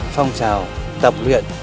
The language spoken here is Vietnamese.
phong trào tập luyện